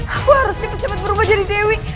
aku harus cepat cepat berubah jadi dewi